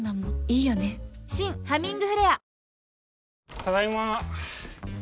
ただいま。